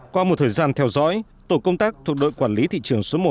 qua một thời gian theo dõi tổ công tác thuộc đội quản lý thị trường số một